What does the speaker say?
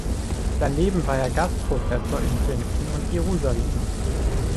Daneben war er Gastprofessor in Princeton und Jerusalem.